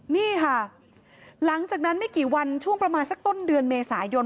นี่ค่ะหลังจากนั้นไม่กี่วันช่วงประมาณสักต้นเดือนเมษายน